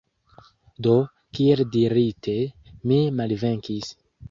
Do, kiel dirite, mi malvenkis.